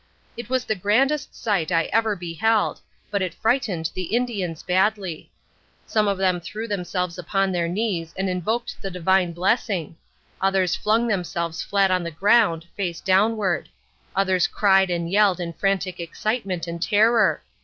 It was the grandest sight I ever beheld, but it frightened the Indians badly. Some of them threw themselves upon their knees and invoked the Divine blessing; others flung themselves flat on the ground, face downward; others cried and yelled in frantic excitement and terror.